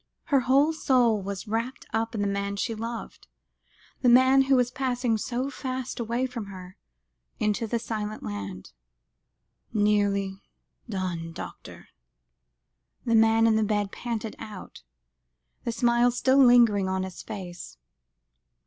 Her whole soul was wrapped up in the man she loved, the man who was passing so fast away from her, into the silent land. "Nearly done doctor," the man in the bed panted out, the smile still lingering on his face.